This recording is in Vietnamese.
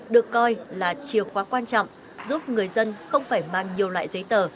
được coi là chiều khóa quan trọng giúp người dân không phải mang nhiều loại giấy tờ